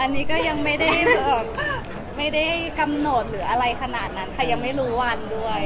อันนี้ก็ยังไม่ได้กำหนดหรืออะไรขนาดนั้นค่ะยังไม่รู้วันด้วย